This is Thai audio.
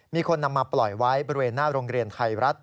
มีคนนำมาปล่อยไว้บริเวณหน้าโรงเรียนไทยรัฐ